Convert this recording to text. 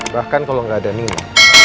bahkan kalau gak ada nina